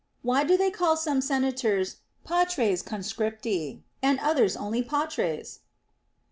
Why do they call some senators Patres Conscripti, and others only Patres'?